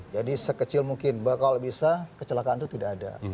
jadi sekecil mungkin bakal bisa kecelakaan itu tidak ada